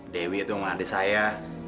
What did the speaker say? dewi itu yang adik saya